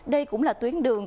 đây cũng là tuyến đường